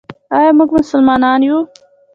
آیا موږ مسلمانان یو؟